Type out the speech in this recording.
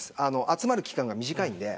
集まる期間が短いので。